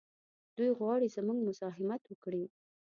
دوی غواړي زموږ مزاحمت وکړي.